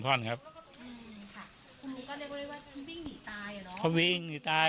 บอกแล้วบอกแล้วบอกแล้ว